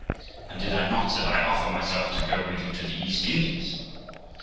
'And did I not', said I, 'offer myself to go with you to the East Indies?'